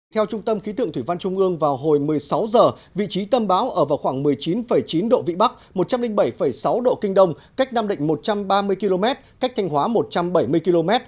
theo trung tâm ký tượng thủy văn trung ương vào hồi một mươi sáu h vị trí tâm bão ở vào khoảng một mươi chín chín độ vĩ bắc một trăm linh bảy sáu độ kinh đông cách nam định một trăm ba mươi km cách thanh hóa một trăm bảy mươi km